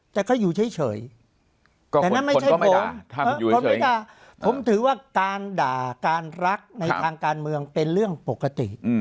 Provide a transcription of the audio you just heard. แต่ก็อยู่เฉยแต่นั่นไม่ใช่ผมถือว่าการด่าการรักในทางการเมืองเป็นเรื่องปกติ